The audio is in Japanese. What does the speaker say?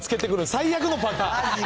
最悪のパターン。